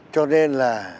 cho nên là